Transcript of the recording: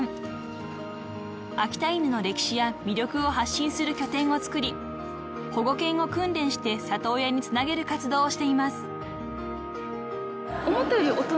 ［秋田犬の歴史や魅力を発信する拠点をつくり保護犬を訓練して里親につなげる活動をしています］